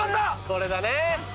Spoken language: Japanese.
これだねぇ。